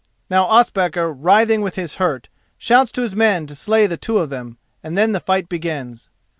Now Ospakar, writhing with his hurt, shouts to his men to slay the two of them, and then the fight begins.